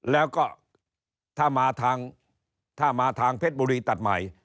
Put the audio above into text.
แล้วก็ถ้ามาทางเพชรบุรีตัดใหม่